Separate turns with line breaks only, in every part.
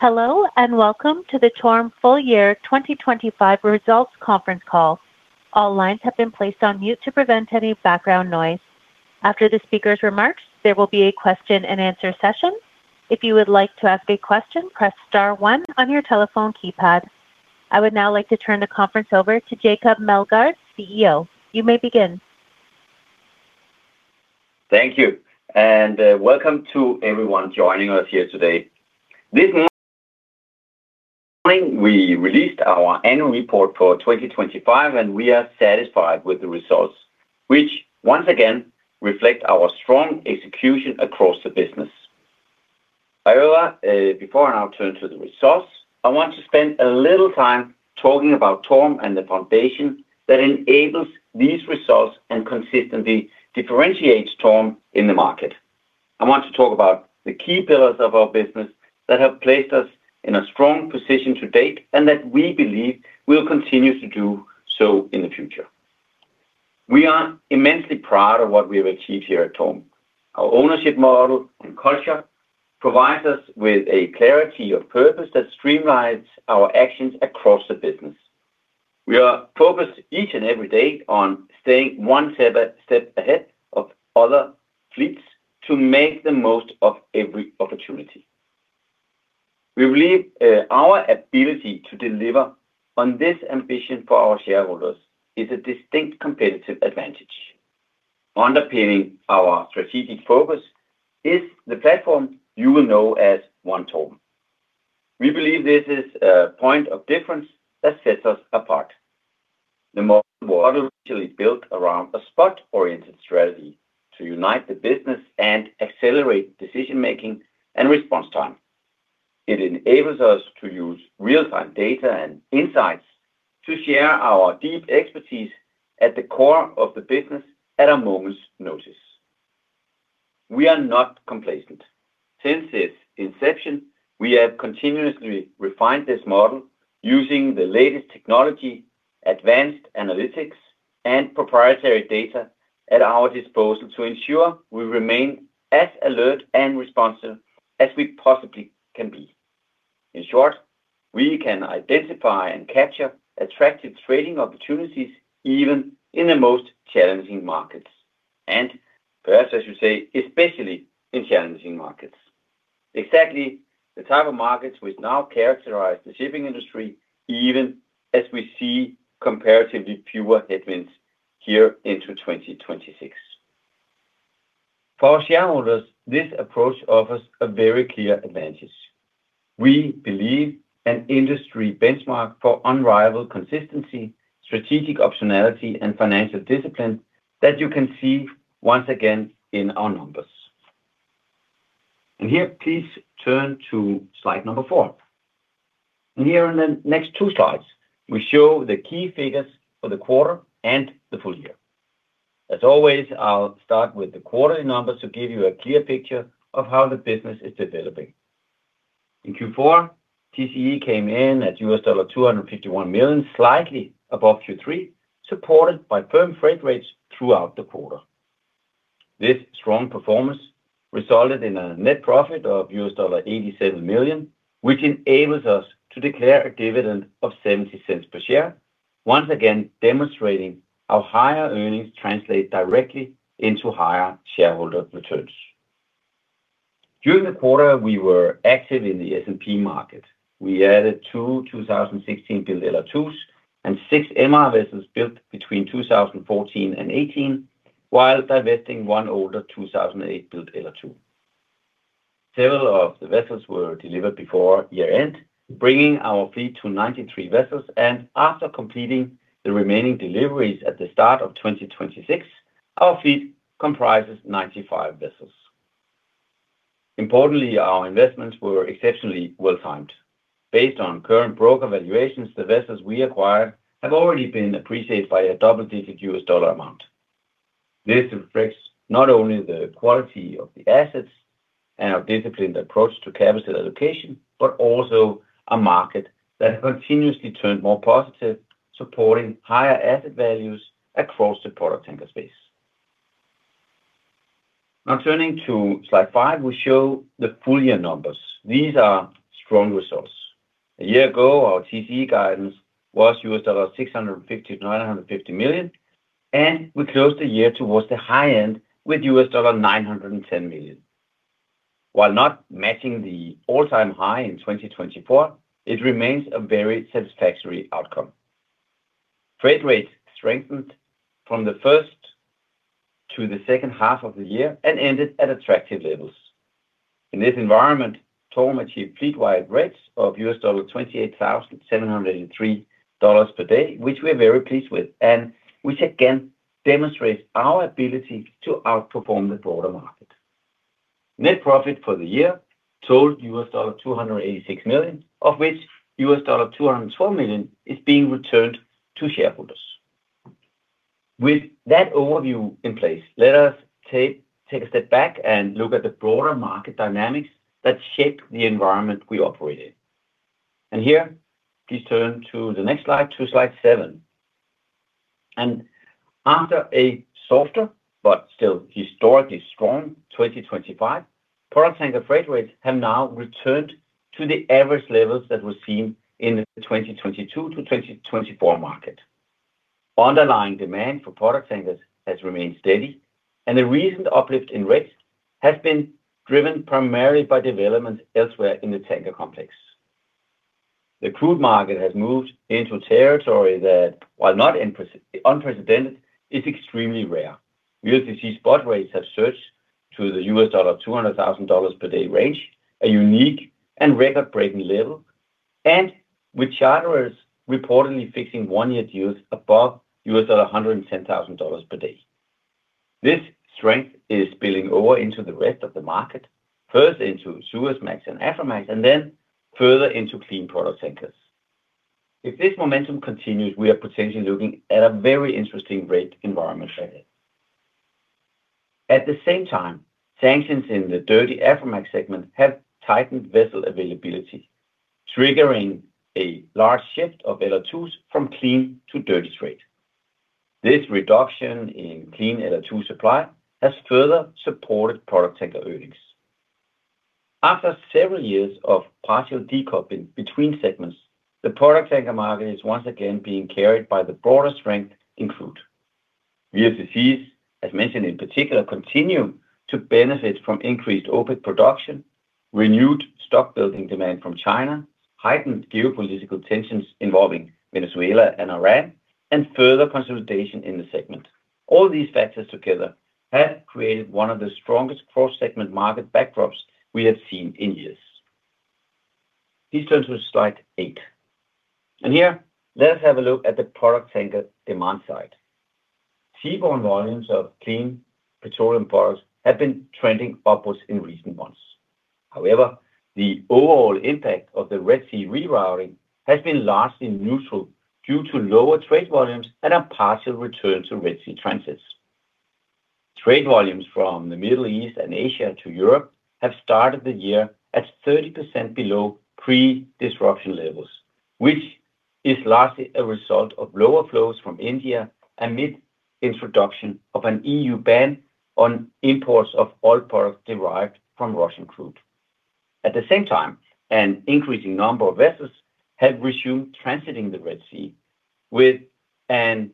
Hello, welcome to the TORM full year 2025 results conference call. All lines have been placed on mute to prevent any background noise. After the speaker's remarks, there will be a question and answer session. If you would like to ask a question, press star one on your telephone keypad. I would now like to turn the conference over to Jacob Meldgaard, CEO. You may begin.
Thank you, and welcome to everyone joining us here today. This morning, we released our annual report for 2025, and we are satisfied with the results, which once again reflect our strong execution across the business. However, before I now turn to the results, I want to spend a little time talking about TORM and the foundation that enables these results and consistently differentiates TORM in the market. I want to talk about the key pillars of our business that have placed us in a strong position to date, and that we believe will continue to do so in the future. We are immensely proud of what we have achieved here at TORM. Our ownership model and culture provides us with a clarity of purpose that streamlines our actions across the business. We are focused each and every day on staying one step ahead of other fleets to make the most of every opportunity. We believe our ability to deliver on this ambition for our shareholders is a distinct competitive advantage. Underpinning our strategic focus is the platform you will know as One TORM. We believe this is a point of difference that sets us apart. The model was originally built around a spot-oriented strategy to unite the business and accelerate decision-making and response time. It enables us to use real-time data and insights to share our deep expertise at the core of the business at a moment's notice. We are not complacent. Since its inception, we have continuously refined this model using the latest technology, advanced analytics, and proprietary data at our disposal to ensure we remain as alert and responsive as we possibly can be. In short, we can identify and capture attractive trading opportunities, even in the most challenging markets, and perhaps, I should say, especially in challenging markets. Exactly the type of markets which now characterize the shipping industry, even as we see comparatively fewer headwinds here into 2026. For our shareholders, this approach offers a very clear advantage. We believe an industry benchmark for unrivaled consistency, strategic optionality, and financial discipline that you can see once again in our numbers. Here, please turn to slide number four. Here in the next two slides, we show the key figures for the quarter and the full year. As always, I'll start with the quarterly numbers to give you a clear picture of how the business is developing. In Q4, TCE came in at $251 million, slightly above Q3, supported by firm freight rates throughout the quarter. This strong performance resulted in a net profit of $87 million, which enables us to declare a dividend of $0.70 per share, once again demonstrating how higher earnings translate directly into higher shareholder returns. During the quarter, we were active in the S&P market. We added two 2016-built LR2s and six MR vessels built between 2014 and 2018, while divesting one older 2008-built LR2. Several of the vessels were delivered before year-end, bringing our fleet to 93 vessels, and after completing the remaining deliveries at the start of 2026, our fleet comprises 95 vessels. Importantly, our investments were exceptionally well-timed. Based on current broker valuations, the vessels we acquired have already been appreciated by a double-digit U.S. dollar amount. This reflects not only the quality of the assets and our disciplined approach to capital allocation, but also a market that has continuously turned more positive, supporting higher asset values across the product tanker space. Turning to slide five, we show the full year numbers. These are strong results. A year ago, our TCE guidance was $650 million-$950 million, and we closed the year towards the high end with $910 million. While not matching the all-time high in 2024, it remains a very satisfactory outcome. Freight rates strengthened from the first to the second half of the year and ended at attractive levels. In this environment, TORM achieved fleet-wide rates of $28,703 per day, which we are very pleased with and which again demonstrates our ability to outperform the broader market. Net profit for the year totaled $286 million, of which $204 million is being returned to shareholders. With that overview in place, let us take a step back and look at the broader market dynamics that shape the environment we operate in. Here, please turn to the next slide, to slide seven. After a softer but still historically strong 2025, product tanker freight rates have now returned to the average levels that were seen in the 2022-2024 market. Underlying demand for product tankers has remained steady, and the recent uplift in rates has been driven primarily by developments elsewhere in the tanker complex. The crude market has moved into a territory that, while not unprecedented, is extremely rare. VLCC spot rates have surged to the U.S. dollar $200,000 per day range, a unique and record-breaking level, and with charterers reportedly fixing one-year deals above U.S. dollar $110,000 per day. This strength is spilling over into the rest of the market, first into Suezmax and Aframax, and then further into clean product tankers. If this momentum continues, we are potentially looking at a very interesting rate environment ahead. At the same time, sanctions in the dirty Aframax segment have tightened vessel availability, triggering a large shift of LR2s from clean to dirty trade. This reduction in clean LR2 supply has further supported product tanker earnings. After several years of partial decoupling between segments, the product tanker market is once again being carried by the broader strength in crude. VLCCs, as mentioned in particular, continue to benefit from increased OPEC production, renewed stock building demand from China, heightened geopolitical tensions involving Venezuela and Iran, and further consolidation in the segment. All these factors together have created one of the strongest cross-segment market backdrops we have seen in years. Please turn to slide eight. Here, let us have a look at the product tanker demand side. Seaborne volumes of clean petroleum products have been trending upwards in recent months. However, the overall impact of the Red Sea rerouting has been largely neutral due to lower trade volumes and a partial return to Red Sea transits. Trade volumes from the Middle East and Asia to Europe have started the year at 30% below pre-disruption levels, which is largely a result of lower flows from India amid introduction of an EU ban on imports of oil products derived from Russian crude. At the same time, an increasing number of vessels have resumed transiting the Red Sea, with an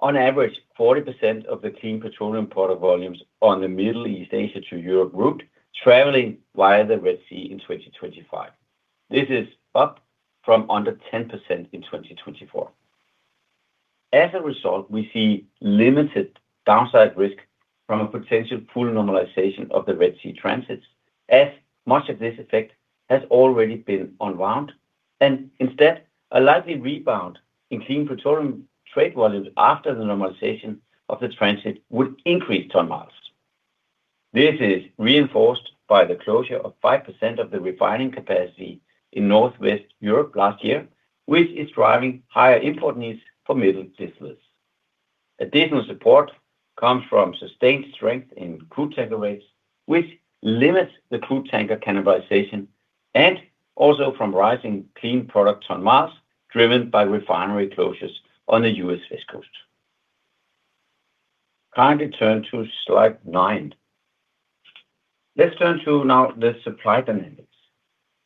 on average, 40% of the clean petroleum product volumes on the Middle East, Asia to Europe route, traveling via the Red Sea in 2025. This is up from under 10% in 2024. As a result, we see limited downside risk from a potential full normalization of the Red Sea transits, as much of this effect has already been unwound, and instead, a likely rebound in clean petroleum trade volumes after the normalization of the transit would increase ton-miles. This is reinforced by the closure of 5% of the refining capacity in Northwest Europe last year, which is driving higher import needs for middle distillates. Additional support comes from sustained strength in crude tanker rates, which limits the crude tanker cannibalization and also from rising clean product ton-miles, driven by refinery closures on the U.S. West Coast. Kindly turn to slide nine. Let's turn to now the supply dynamics.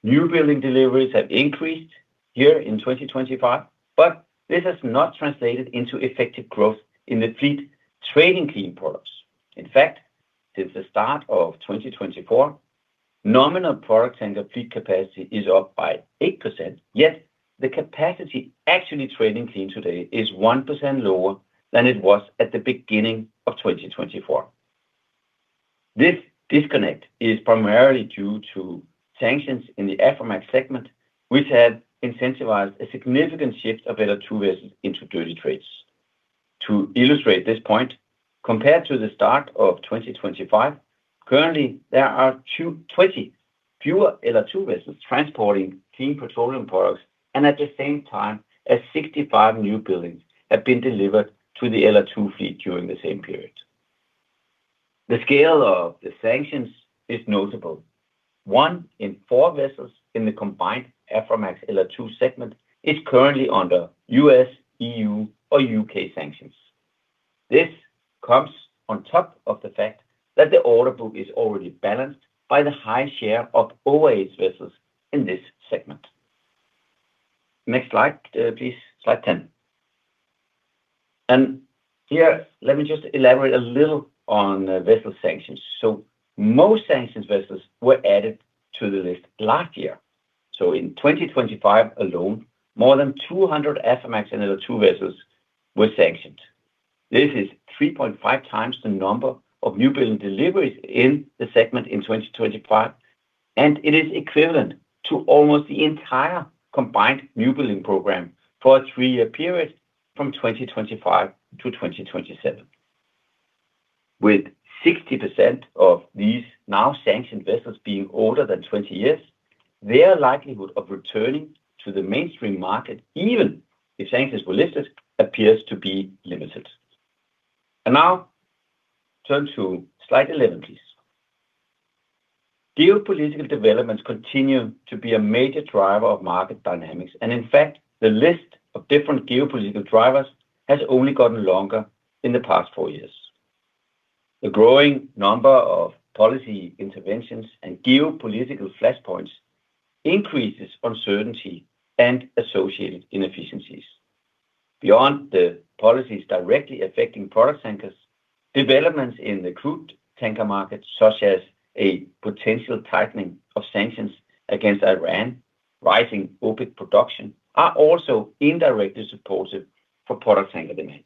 New building deliveries have increased here in 2025. This has not translated into effective growth in the fleet trading clean products. In fact, since the start of 2024, nominal product tanker fleet capacity is up by 8%, yet the capacity actually trading clean today is 1% lower than it was at the beginning of 2024. This disconnect is primarily due to sanctions in the Aframax segment, which have incentivized a significant shift of LR2 vessels into dirty trades. To illustrate this point, compared to the start of 2025, currently, there are 20 fewer LR2 vessels transporting clean petroleum products, and at the same time, as 65 new buildings have been delivered to the LR2 fleet during the same period. The scale of the sanctions is notable. One in four vessels in the combined Aframax LR2 segment is currently under U.S., EU, or U.K. sanctions. This comes on top of the fact that the order book is already balanced by the high share of OAH vessels in this segment. Next slide, please. Slide 10. Here, let me just elaborate a little on the vessel sanctions. Most sanctions vessels were added to the list last year. In 2025 alone, more than 200 Aframax and LR2 vessels were sanctioned. This is 3.5 times the number of new building deliveries in the segment in 2025, and it is equivalent to almost the entire combined new building program for a 3-year period from 2025 to 2027. With 60% of these now-sanctioned vessels being older than 20 years, their likelihood of returning to the mainstream market, even if sanctions were lifted, appears to be limited. Now, turn to slide 11, please. Geopolitical developments continue to be a major driver of market dynamics, and in fact, the list of different geopolitical drivers has only gotten longer in the past 4 years. The growing number of policy interventions and geopolitical flashpoints increases uncertainty and associated inefficiencies. Beyond the policies directly affecting product tankers, developments in the crude tanker market, such as a potential tightening of sanctions against Iran, rising OPEC production, are also indirectly supportive for product tanker demand.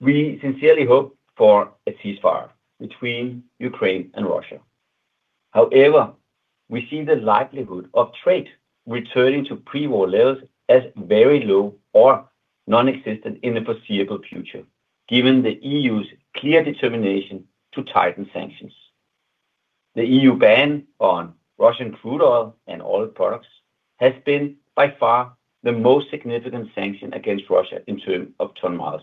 We sincerely hope for a ceasefire between Ukraine and Russia. However, we see the likelihood of trade returning to pre-war levels as very low or non-existent in the foreseeable future, given the EU's clear determination to tighten sanctions. The EU ban on Russian crude oil and oil products has been by far the most significant sanction against Russia in term of ton-miles,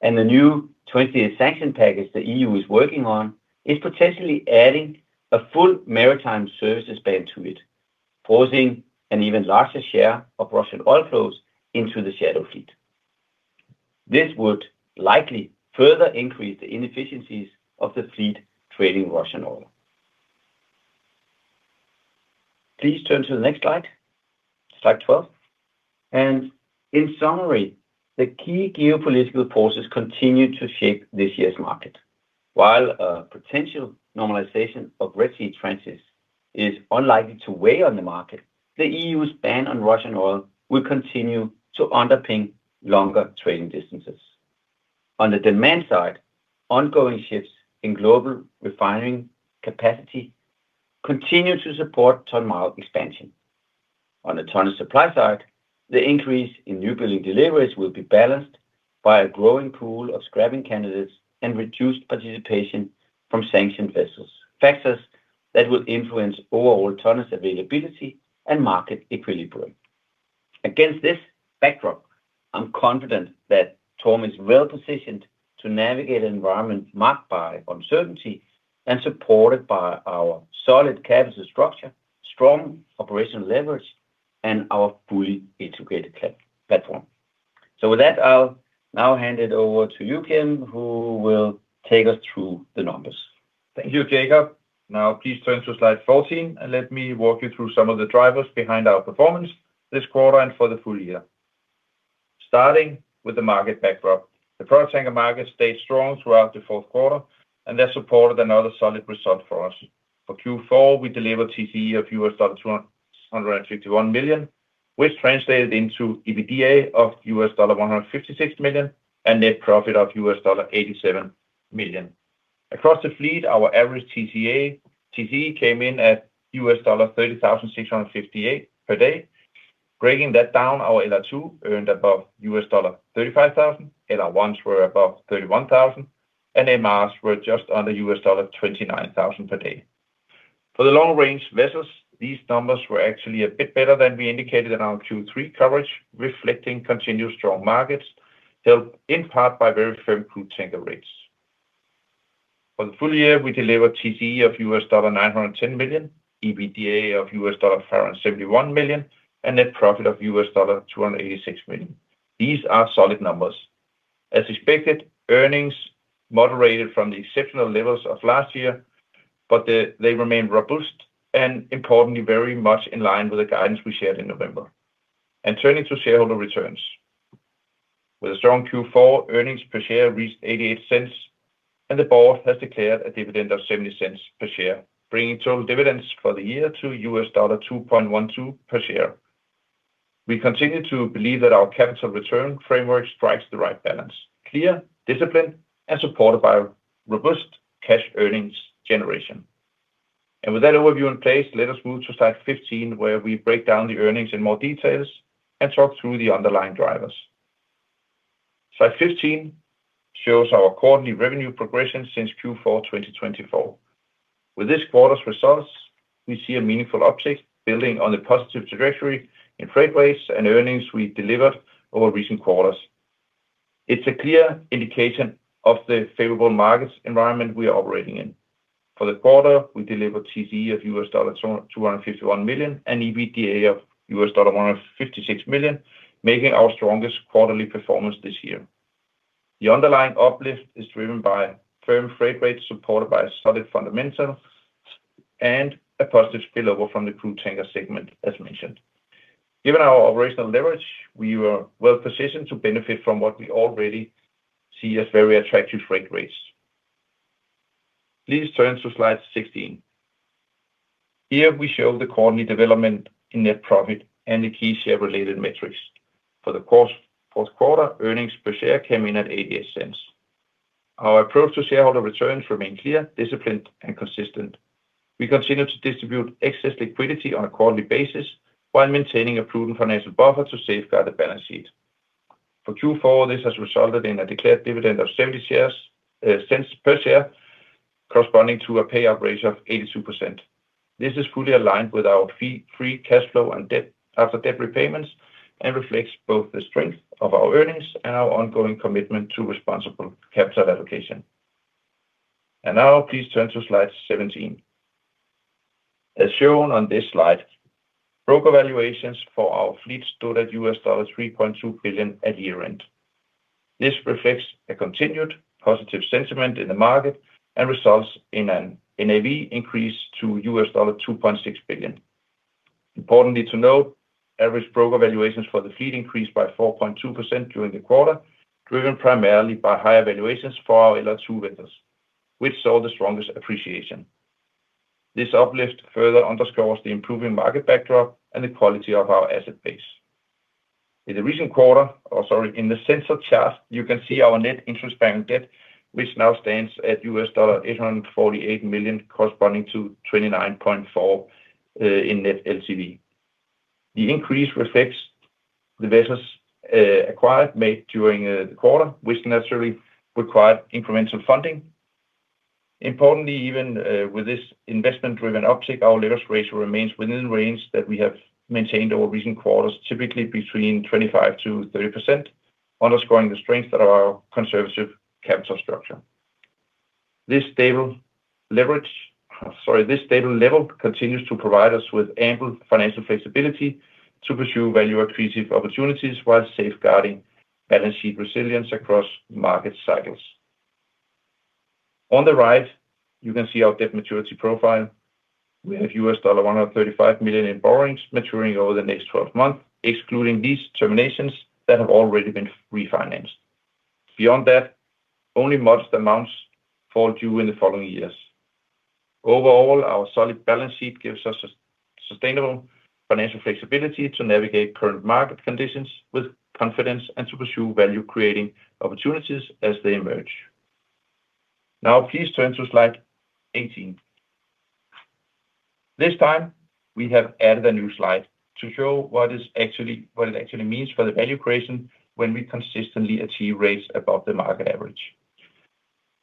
and the new 28th sanction package the EU is working on is potentially adding a full maritime services ban to it, forcing an even larger share of Russian oil flows into the shadow fleet. This would likely further increase the inefficiencies of the fleet trading Russian oil. Please turn to the next slide 12. In summary, the key geopolitical forces continue to shape this year's market. While a potential normalization of Red Sea trenches is unlikely to weigh on the market, the EU's ban on Russian oil will continue to underpin longer trading distances. On the demand side, ongoing shifts in global refining capacity continue to support ton-mile expansion. On the ton supply side, the increase in new building deliveries will be balanced by a growing pool of scrapping candidates and reduced participation from sanctioned vessels, factors that will influence overall tonners availability and market equilibrium. Against this backdrop, I'm confident that TORM is well-positioned to navigate an environment marked by uncertainty and supported by our solid capital structure, strong operational leverage, and our fully integrated platform. With that, I'll now hand it over to you, Kim, who will take us through the numbers.
Thank you, Jacob. Please turn to slide 14, and let me walk you through some of the drivers behind our performance this quarter and for the full year. Starting with the market backdrop. The product tanker market stayed strong throughout the fourth quarter, and that supported another solid result for us. For Q4, we delivered TCE of $251 million, which translated into EBITDA of $156 million, and net profit of $87 million. Across the fleet, our average TCE came in at $30,658 per day. Breaking that down, our LR2 earned above $35,000, LR1s were above $31,000, and MRs were just under $29,000 per day. For the long-range vessels, these numbers were actually a bit better than we indicated in our Q3 coverage, reflecting continued strong markets, helped in part by very firm crude tanker rates. For the full year, we delivered TCE of $910 million, EBITDA of $571 million, and net profit of $286 million. These are solid numbers. As expected, earnings moderated from the exceptional levels of last year, but they remained robust and importantly, very much in line with the guidance we shared in November. Turning to shareholder returns. With a strong Q4, earnings per share reached $0.88, and the board has declared a dividend of $0.70 per share, bringing total dividends for the year to $2.12 per share. We continue to believe that our capital return framework strikes the right balance, clear, disciplined, and supported by robust cash earnings generation. With that overview in place, let us move to slide 15, where we break down the earnings in more details and talk through the underlying drivers. Slide 15 shows our quarterly revenue progression since Q4, 2024. With this quarter's results, we see a meaningful uptick building on the positive trajectory in freight rates and earnings we've delivered over recent quarters. It's a clear indication of the favorable markets environment we are operating in. For the quarter, we delivered TCE of $251 million, and EBITDA of $156 million, making our strongest quarterly performance this year. The underlying uplift is driven by firm freight rates, supported by solid fundamentals and a positive spill over from the crude tanker segment, as mentioned. Given our operational leverage, we are well positioned to benefit from what we already see as very attractive freight rates. Please turn to slide 16. Here, we show the quarterly development in net profit and the key share-related metrics. For the fourth quarter, earnings per share came in at $0.88. Our approach to shareholder returns remain clear, disciplined, and consistent. We continue to distribute excess liquidity on a quarterly basis while maintaining a prudent financial buffer to safeguard the balance sheet. For Q4, this has resulted in a declared dividend of seventy shares, $0.70 per share, corresponding to a payout ratio of 82%. This is fully aligned with our free cash flow and debt, after debt repayments, and reflects both the strength of our earnings and our ongoing commitment to responsible capital allocation. Now please turn to slide 17. As shown on this slide, broker valuations for our fleet stood at $3.2 billion at year-end. This reflects a continued positive sentiment in the market and results in an NAV increase to $2.6 billion. Importantly to note, average broker valuations for the fleet increased by 4.2% during the quarter, driven primarily by higher valuations for our LR2 vessels, which saw the strongest appreciation. This uplift further underscores the improving market backdrop and the quality of our asset base. In the recent quarter, or sorry, in the center chart, you can see our net interest bearing debt, which now stands at $848 million, corresponding to 29.4 in net LTV. The increase reflects the vessels acquired made during the quarter, which necessarily required incremental funding. Importantly, even with this investment-driven uptick, our leverage ratio remains within range that we have maintained over recent quarters, typically between 25%-30%, underscoring the strength of our conservative capital structure. This stable level continues to provide us with ample financial flexibility to pursue value accretive opportunities while safeguarding balance sheet resilience across market cycles. On the right, you can see our debt maturity profile. We have $135 million in borrowings maturing over the next 12 months, excluding these terminations that have already been refinanced. Beyond that, only modest amounts fall due in the following years. Overall, our solid balance sheet gives us a sustainable financial flexibility to navigate current market conditions with confidence and to pursue value-creating opportunities as they emerge. Now, please turn to slide 18. This time, we have added a new slide to show what it actually means for the value creation when we consistently achieve rates above the market average.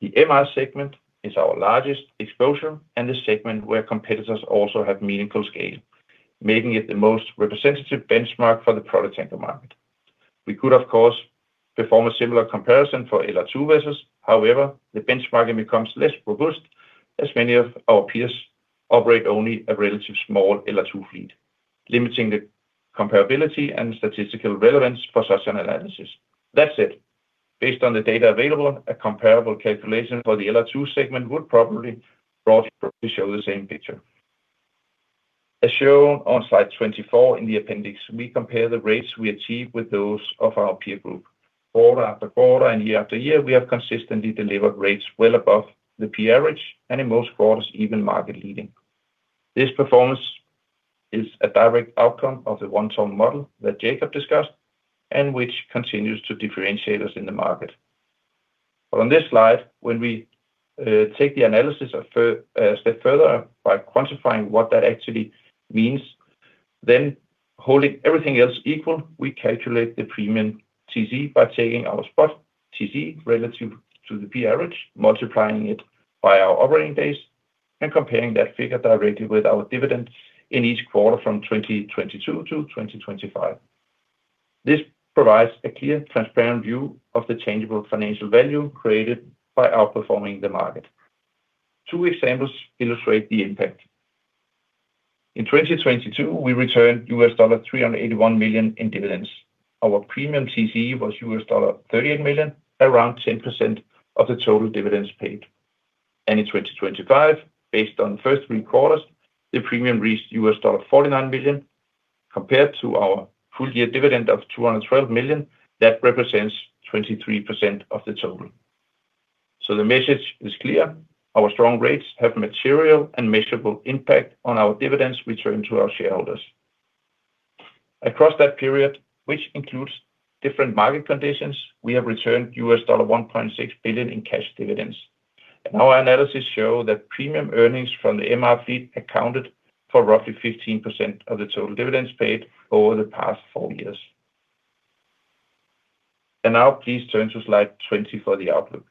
The MR segment is our largest exposure and the segment where competitors also have meaningful scale, making it the most representative benchmark for the product tanker market. We could, of course, perform a similar comparison for LR2 vessels. However, the benchmarking becomes less robust, as many of our peers operate only a relatively small LR2 fleet, limiting the comparability and statistical relevance for such an analysis. That said, based on the data available, a comparable calculation for the LR2 segment would probably broadly show the same picture. As shown on slide 24 in the appendix, we compare the rates we achieve with those of our peer group. Quarter after quarter and year after year, we have consistently delivered rates well above the peer average, and in most quarters, even market leading. This performance is a direct outcome of the One TORM model that Jacob discussed, and which continues to differentiate us in the market. On this slide, when we take the analysis a step further by quantifying what that actually means, then holding everything else equal, we calculate the premium TCE by taking our spot TCE relative to the peer average, multiplying it by our operating days, and comparing that figure directly with our dividends in each quarter from 2022 to 2025. This provides a clear, transparent view of the changeable financial value created by outperforming the market. Two examples illustrate the impact. In 2022, we returned $381 million in dividends. Our premium TCE was $38 million, around 10% of the total dividends paid. In 2025, based on the first three quarters, the premium reached $49 billion, compared to our full year dividend of $212 million. That represents 23% of the total. The message is clear: Our strong rates have material and measurable impact on our dividends returned to our shareholders. Across that period, which includes different market conditions, we have returned $1.6 billion in cash dividends. Our analysis show that premium earnings from the MR fleet accounted for roughly 15% of the total dividends paid over the past four years. Now please turn to slide 20 for the outlook.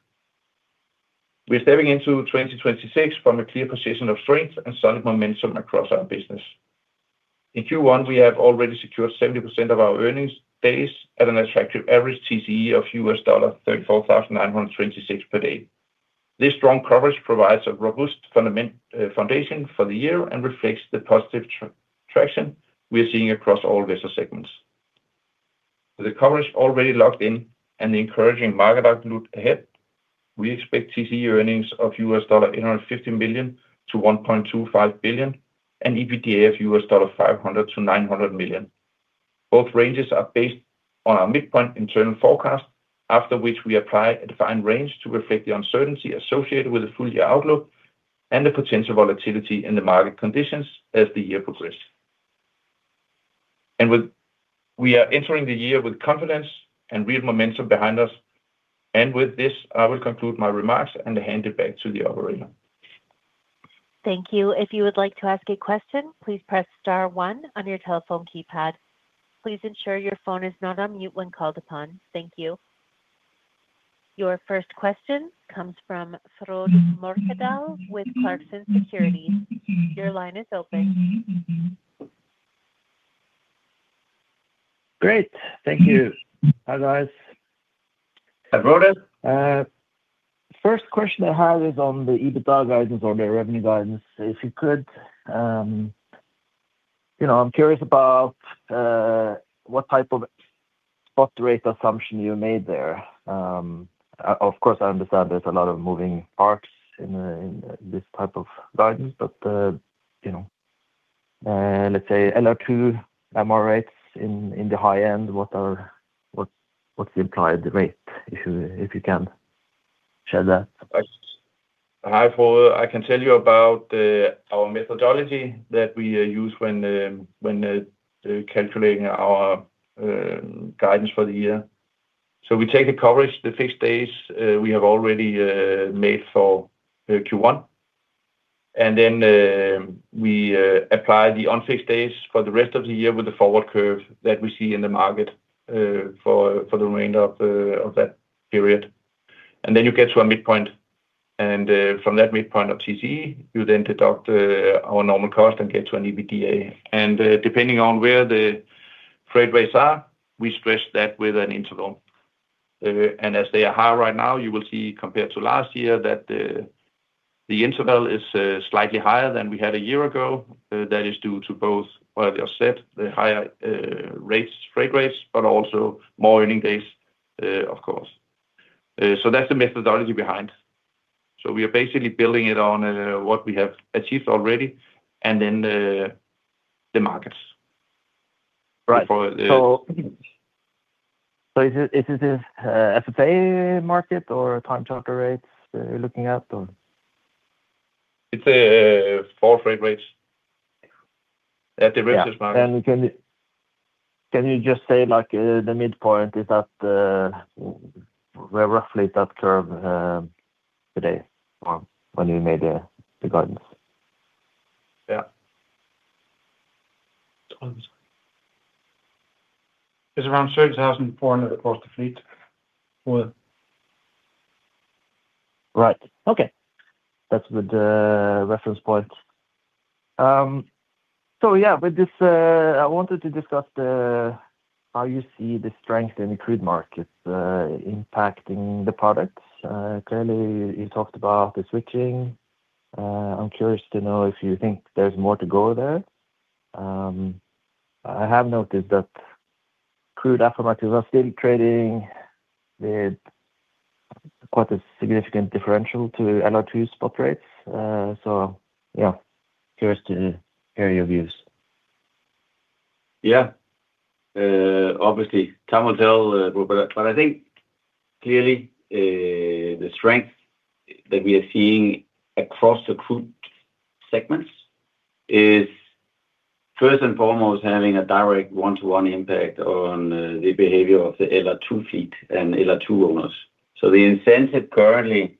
We are stepping into 2026 from a clear position of strength and solid momentum across our business. In Q1, we have already secured 70% of our earnings days at an attractive average TCE of $34,926 per day. This strong coverage provides a robust foundation for the year and reflects the positive traction we are seeing across all vessel segments. With the coverage already locked in and the encouraging market outlook ahead, we expect TCE earnings of $850 million-$1.25 billion, and EBITDA of $500 million-$900 million. Both ranges are based on our midpoint internal forecast, after which we apply a defined range to reflect the uncertainty associated with the full year outlook and the potential volatility in the market conditions as the year progress. We are entering the year with confidence and real momentum behind us. With this, I will conclude my remarks and hand it back to the operator.
Thank you. If you would like to ask a question, please press star one on your telephone keypad. Please ensure your phone is not on mute when called upon. Thank you. Your first question comes from Frode Mørkedal with Clarksons Securities. Your line is open.
Great. Thank you. Hi, guys.
Hi, Frode.
First question I have is on the EBITDA guidance or the revenue guidance, if you could. You know, I'm curious about what type of spot rate assumption you made there. Of course, I understand there's a lot of moving parts in this type of guidance, but, you know, let's say, LR2 MR rates in the high end, what's the implied rate, if you can share that?
Hi, Frode. I can tell you about our methodology that we use when calculating our guidance for the year. We take the coverage, the fixed days we have already made for Q1, and then we apply the unfixed days for the rest of the year with the forward curve that we see in the market for the remainder of that period. You get to a midpoint, and from that midpoint of TC, you then deduct our normal cost and get to an EBITDA. Depending on where the freight rates are, we stress that with an interval. And as they are high right now, you will see, compared to last year, that the interval is slightly higher than we had a year ago. That is due to both, what I said, the higher rates, freight rates, but also more earning days, of course. That's the methodology behind. We are basically building it on what we have achieved already and then the markets.
Right.
Before,
Is this FFA market or time charter rates that you're looking at, or?
It's, four freight rates at the reference market.
Yeah. Can you just say, like, the midpoint, is that where roughly that term today or when you made the guidance?
Yeah. It's around 3,400 across the fleet for...
Right. Okay. That's good, reference point. With this, I wanted to discuss the, how you see the strength in the crude market, impacting the products. You talked about the switching. I'm curious to know if you think there's more to go there. I have noticed that crude Aframaxes are still trading with quite a significant differential to LR2 spot rates. Curious to hear your views.
Yeah. obviously, time will tell, Frode, but I think clearly, the strength that we are seeing across the crude segments is first and foremost, having a direct one-to-one impact on the behavior of the LR2 fleet and LR2 owners. The incentive currently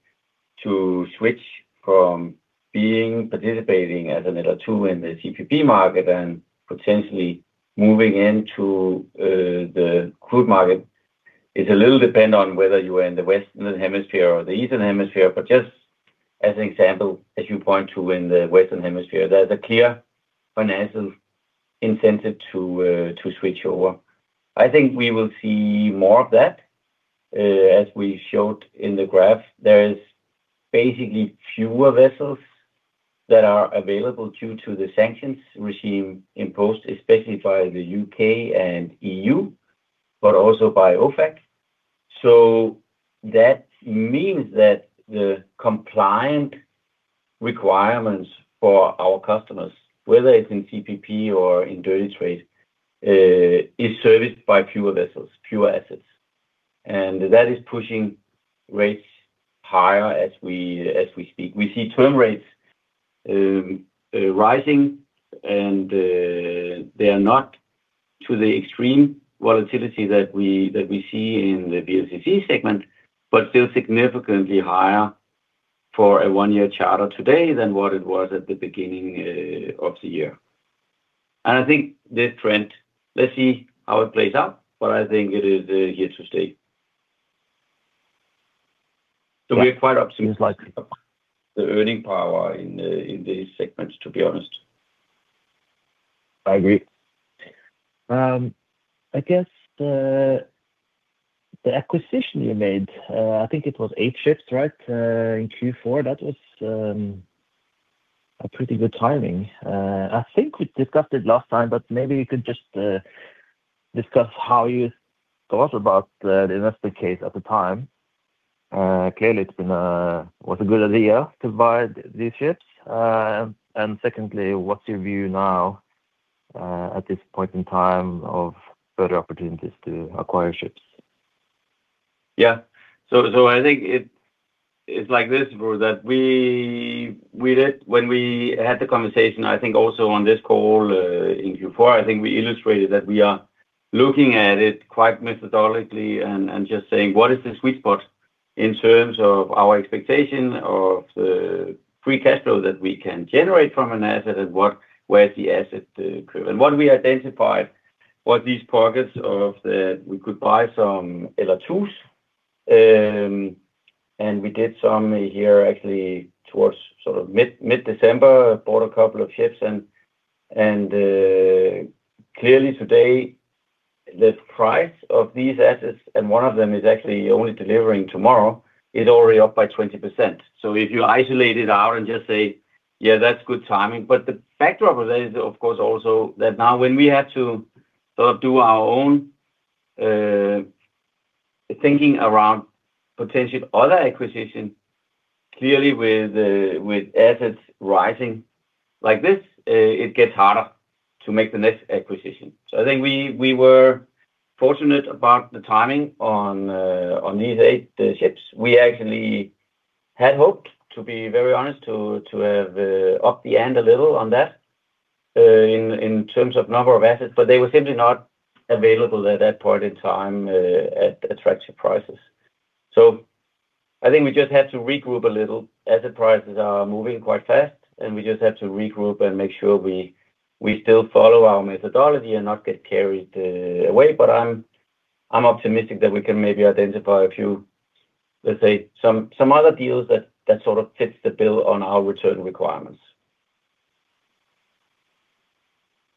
to switch from being participating as an LR2 in the CPP market and potentially moving into the crude market, is a little dependent on whether you are in the Western Hemisphere or the Eastern Hemisphere. Just as an example, as you point to in the Western Hemisphere, there's a clear financial incentive to switch over. I think we will see more of that, as we showed in the graph. There is basically fewer vessels that are available due to the sanctions regime imposed, especially by the U.K. and EU, but also by OFAC. That means that the compliant requirements for our customers, whether it's in CPP or in dirty trade, is serviced by fewer vessels, fewer assets, and that is pushing rates higher as we speak. We see term rates rising, and they are not to the extreme volatility that we see in the VLCC segment, but still significantly higher for a 1-year charter today than what it was at the beginning of the year. I think this trend, let's see how it plays out, but I think it is here to stay. We're quite optimistic about the earning power in these segments, to be honest.
I agree. I guess the acquisition you made, I think it was eight ships, right, in Q4, that was a pretty good timing. I think we discussed it last time, but maybe you could just discuss how you thought about the investment case at the time. Clearly, it's been, was a good idea to buy these ships. Secondly, what's your view now, at this point in time of further opportunities to acquire ships?
So I think it's like this, Frode, that we, when we had the conversation, I think also on this call, in Q4, I think we illustrated that we are looking at it quite methodologically and just saying, "What is the sweet spot in terms of our expectation of free cash flow that we can generate from an asset, and where is the asset driven?" What we identified what these pockets of, we could buy some LR2s. And we did some here actually towards sort of mid-December, bought a couple of ships. And clearly today, the price of these assets, and one of them is actually only delivering tomorrow, is already up by 20%. If you isolate it out and just say, "Yeah, that's good timing." The backdrop of that is, of course, also that now when we had to sort of do our own thinking around potential other acquisition, clearly with assets rising like this, it gets harder to make the next acquisition. I think we were fortunate about the timing on these eight ships. We actually had hoped, to be very honest, to have up the end a little on that in terms of number of assets, but they were simply not available at that point in time at attractive prices. I think we just had to regroup a little. Asset prices are moving quite fast, and we just had to regroup and make sure we still follow our methodology and not get carried away. I'm optimistic that we can maybe identify a few, let's say, some other deals that sort of fits the bill on our return requirements.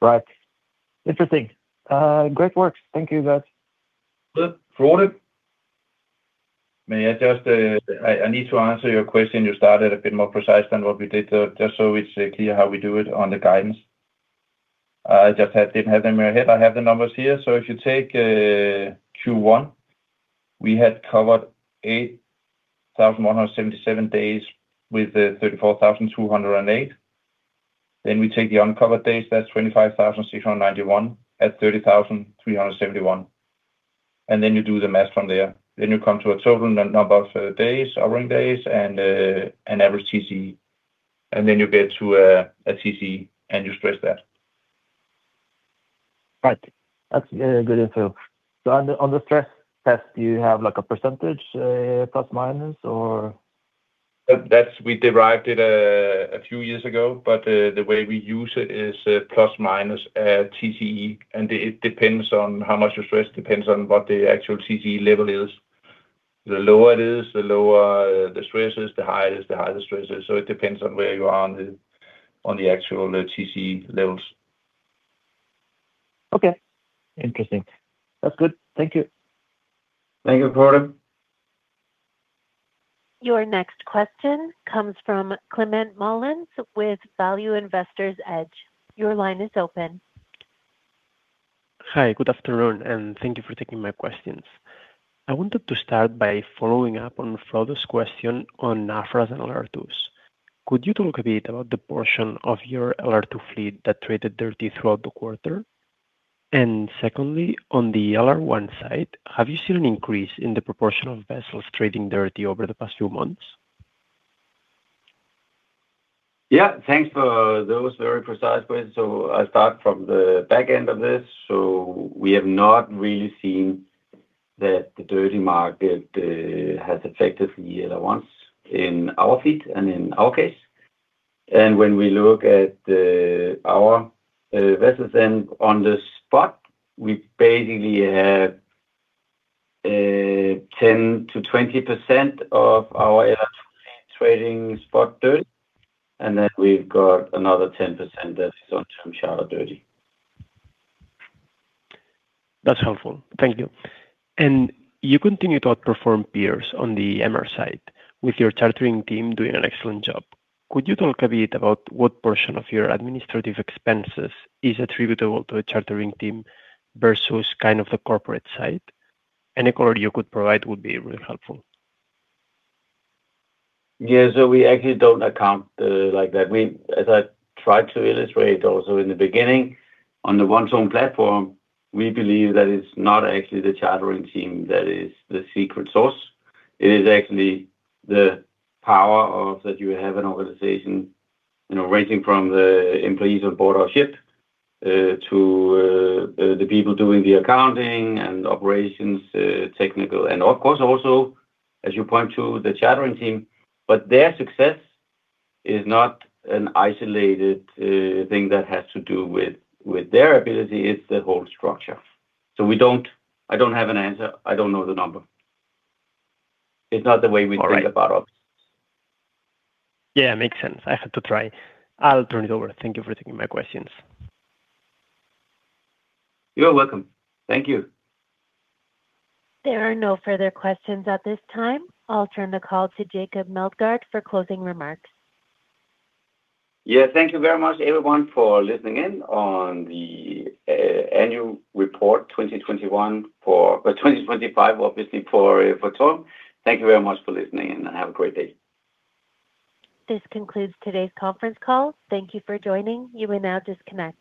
Right. Interesting. Great work. Thank you, guys.
Good. Frode?
May I just, I need to answer your question. You started a bit more precise than what we did, just so it's clear how we do it on the guidance. I just didn't have them in my head. I have the numbers here. If you take Q1, we had covered 8,177 days with $34,208. We take the uncovered days, that's 25,691 at $30,371, and you do the math from there. You come to a total n-number of days, houring days, and an average TCE, and you get to a TCE, and you stress that.
Right. That's good info. On the, on the stress test, do you have, like, a percentage, plus, minus, or?
We derived it a few years ago, but the way we use it is plus minus TCE, and it depends on how much you stress, depends on what the actual TCE level is. The lower it is, the lower the stress is. The higher it is, the higher the stress is. It depends on where you are on the actual TCE levels.
Okay. Interesting. That's good. Thank you.
Thank you, Frode.
Your next question comes from Climent Molins with Value Investor's Edge. Your line is open.
Hi, good afternoon, and thank you for taking my questions. I wanted to start by following up on Frode's question on Aframax and LR2s. Could you talk a bit about the portion of your LR2 fleet that traded dirty throughout the quarter? Secondly, on the LR1 side, have you seen an increase in the proportion of vessels trading dirty over the past few months?
Yeah, thanks for those very precise questions. I'll start from the back end of this. We have not really seen that the dirty market has affected the LR1s in our fleet and in our case. When we look at our vessels then on the spot, we basically have 10%-20% of our LR2 trading spot dirty, and then we've got another 10% that is on term charter dirty.
That's helpful. Thank you. You continue to outperform peers on the MR side with your chartering team doing an excellent job. Could you talk a bit about what portion of your administrative expenses is attributable to a chartering team versus kind of the corporate side? Any color you could provide would be really helpful.
Yeah, we actually don't account like that. As I tried to illustrate also in the beginning, on the One TORM platform, we believe that it's not actually the chartering team that is the secret sauce. It is actually the power of that you have an organization, you know, ranging from the employees on board our ship, to the people doing the accounting and operations, technical, and of course, also, as you point to, the chartering team. Their success is not an isolated thing that has to do with their ability, it's the whole structure. I don't have an answer. I don't know the number. It's not the way we think about us.
Yeah, makes sense. I had to try. I'll turn it over. Thank you for taking my questions.
You're welcome. Thank you.
There are no further questions at this time. I'll turn the call to Jacob Meldgaard for closing remarks.
Yeah, thank you very much, everyone, for listening in on the annual report 2021 for 2025, obviously, for TORM. Thank you very much for listening in. Have a great day.
This concludes today's conference call. Thank you for joining. You may now disconnect.